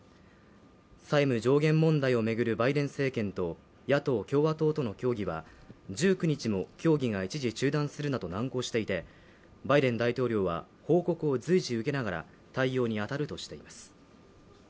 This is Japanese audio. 債務上限問題を巡るバイデン政権と野党・共和党との協議は１９日も協議が一時中断するなど難航していてバイデン大統領は報告を随時受けながら対応に当たるとしています。